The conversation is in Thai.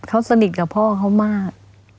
เขาสนิทกับพ่อเขามาก